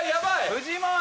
フジモン！